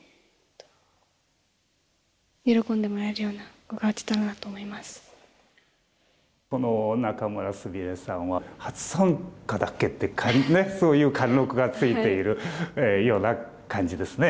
囲碁界大注目の仲邑菫女流棋聖にこの仲邑菫さんは「初参加だっけ？」ってそういう貫禄がついているような感じですね。